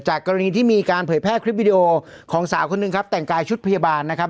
กรณีที่มีการเผยแพร่คลิปวิดีโอของสาวคนหนึ่งครับแต่งกายชุดพยาบาลนะครับ